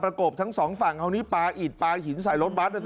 กบทั้งสองฝั่งคราวนี้ปลาอิดปลาหินใส่รถบัสนะสิ